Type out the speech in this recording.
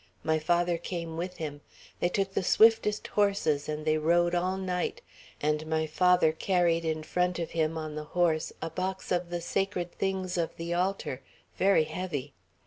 My father came with him; they took the swiftest horses, and they rode all night, and my father carried in front of him, on the horse, a box of the sacred things of the altar, very heavy.